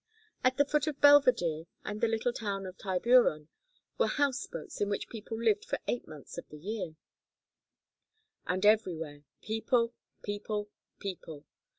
At the foot of Belvedere and the little town of Tiburon were house boats, in which people lived for eight months of the year. And everywhere, people, people, people.